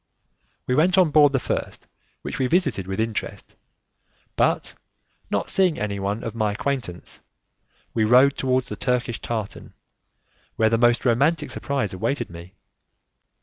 We went on board the first which we visited with interest, but not seeing anyone of my acquaintance, we rowed towards the Turkish tartan, where the most romantic surprise awaited me.